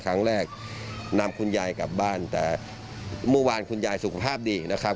ครั้งแรกนำคุณยายกลับบ้านแต่เมื่อวานคุณยายสุขภาพดีนะครับ